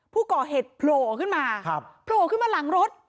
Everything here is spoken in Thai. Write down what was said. ผู้ก่อเหตุโผล่อขึ้นมาโผล่อขึ้นมาหลังรถ